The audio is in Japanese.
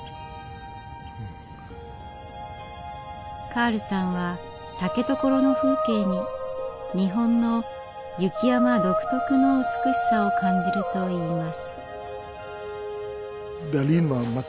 カールさんは竹所の風景に日本の雪山独特の美しさを感じるといいます。